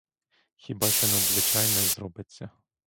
Хіба що надзвичайне зробиться.